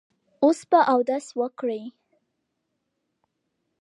اول به اودس وکړئ.